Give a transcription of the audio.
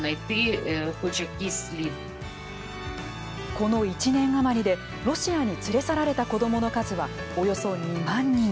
この１年余りでロシアに連れ去られた子どもの数はおよそ２万人。